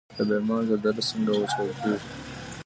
د بامیان زردالو څنګه وچول کیږي؟